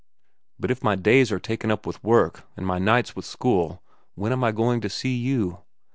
But if my days are taken up with work and my nights with school, when am I going to see you?